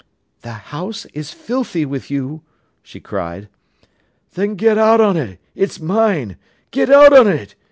"The house is filthy with you," she cried. "Then get out on it—it's mine. Get out on it!"